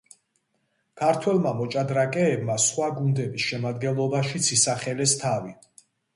ქართველმა მოჭადრაკეებმა სხვა გუნდების შემადგენლობაშიც ისახელეს თავი.